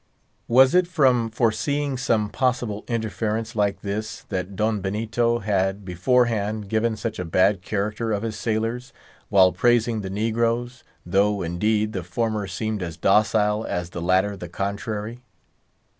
Was it from foreseeing some possible interference like this, that Don Benito had, beforehand, given such a bad character of his sailors, while praising the negroes; though, indeed, the former seemed as docile as the latter the contrary?